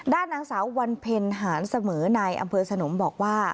ด้านนางสาววันเพ็ญหานเสมอนายอำเภอสนมบอกว่า